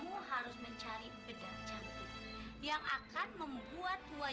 oh saya merasa sangat gembira